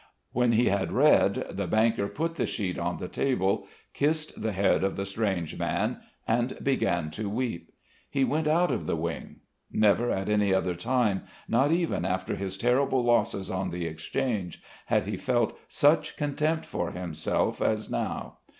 When he had read, the banker put the sheet on the table, kissed the head of the strange man, and began to weep. He went out of the wing. Never at any other time, not even after his terrible losses on the Exchange, had he felt such contempt for himself as now.